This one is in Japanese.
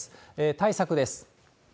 対策です。